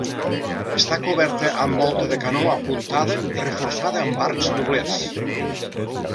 Està coberta amb volta de canó apuntada reforçada amb arcs doblers.